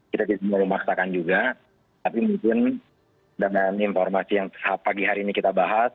kita tidak memaksakan juga tapi mungkin dengan informasi yang pagi hari ini kita bahas